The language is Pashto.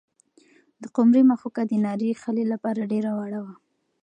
د قمرۍ مښوکه د نري خلي لپاره ډېره وړه وه.